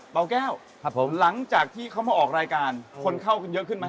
อ๋อเปล่าแก้วหลังจากที่เขามาออกรายการคนเข้าเยอะขึ้นไหม